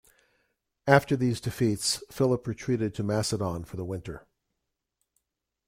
After these defeats, Philip retreated to Macedon for the winter.